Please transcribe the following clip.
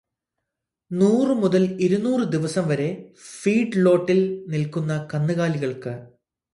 നൂറ് മുതൽ ഇരുന്നൂറ് ദിവസം വരെ ഫീഡ്ലോട്ടിൽ നിൽക്കുന്ന കന്നുകാലികൾക്ക്